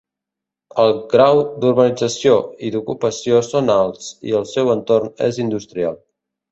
El grau d'urbanització i d'ocupació són alts i el seu entorn és industrial.